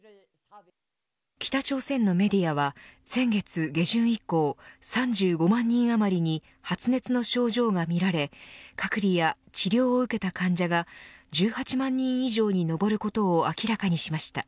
北朝鮮のメディアは先月下旬以降３５万人余りに発熱の症状がみられ隔離や治療を受けた患者が１８万人以上に上ることを明らかにしました。